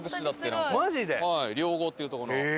両郷っていうとこの。